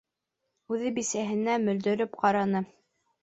Үҙе бисәһенә мөлдөрәп ҡараны.